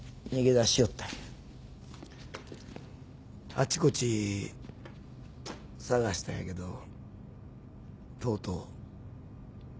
あちこち捜したんやけどとうとう見つからなんだ。